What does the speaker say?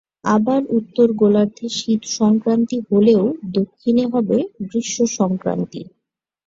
আবার উত্তর গোলার্ধে শীত সংক্রান্তি হলেও দক্ষিণে হবে গ্রীষ্ম সংক্রান্তি।